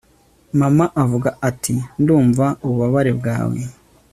mama avuga ati ndumva ububabare bwawe